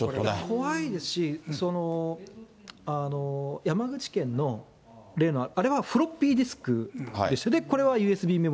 怖いですし、山口県の例のあれは、フロッピーディスクでしたよね、これはＵＳＢメモリーで。